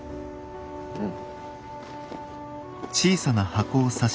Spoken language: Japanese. うん。